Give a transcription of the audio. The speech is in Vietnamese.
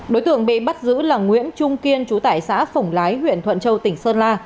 đối tượng bị bắt giữ là nguyễn trung kiên chú tại xã phổng lái huyện thuận châu tỉnh sơn la